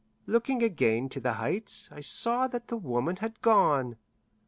Looking again to the Heights, I saw that the woman had gone.